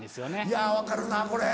いや分かるなこれ。